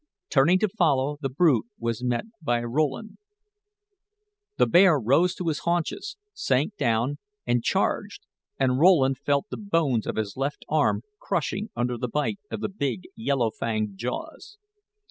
Turning to follow, the brute was met by Rowland. The bear rose to his haunches, sank down, and charged; and Rowland felt the bones of his left arm crushing under the bite of the big, yellow fanged jaws.